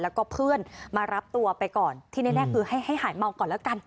แล้วก็เพื่อนมารับตัวไปก่อนที่แน่คือให้หายเมาก่อนแล้วกัน